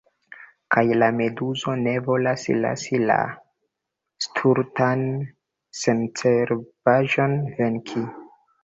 Kaj la meduzo ne volas lasi la stultan sencerbaĵon venki.